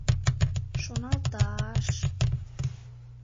Шоналта-аш.